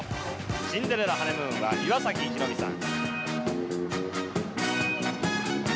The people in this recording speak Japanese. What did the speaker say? シンデレラ・ハネムーンは岩崎宏美さん。